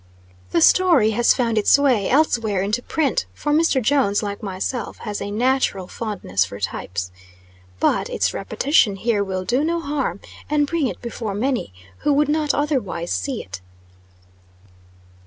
The story has found its way, elsewhere, into print, for Mr. Jones, like myself, has a natural fondness for types. But its repetition here will do no harm, and bring it before many who would not otherwise see it.